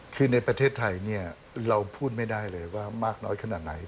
คือในประเทศไทยเนี่ยเราพูดไม่ได้เลยว่ามากน้อยขนาดไหน